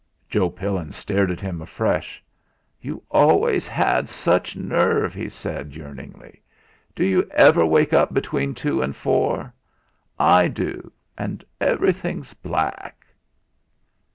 Joe Pillin stared at him afresh. "You always had such nerve," he said yearningly. "Do you ever wake up between two and four? I do and everything's black."